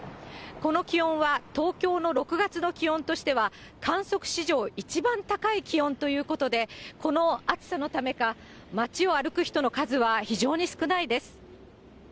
この気温は東京の６月の気温としては、観測史上一番高い気温ということで、この暑さのためか、街を歩く人の数は非常に少ないです。